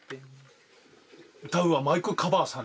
歌うはマイクカバーさんです。